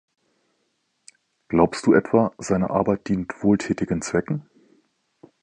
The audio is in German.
Glaubst du etwa, seine Arbeit dient wohltätigen Zwecken?